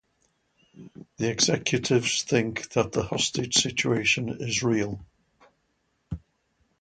The executives think that the hostage situation is real.